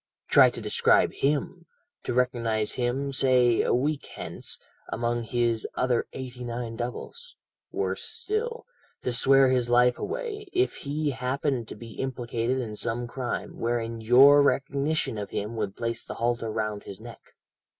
"Try to describe him, to recognize him, say a week hence, among his other eighty nine doubles; worse still, to swear his life away, if he happened to be implicated in some crime, wherein your recognition of him would place the halter round his neck.